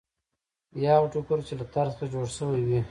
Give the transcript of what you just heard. یا هغه ټوکر چې له تار څخه جوړ شوی وي.